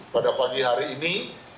pada pagi hari ini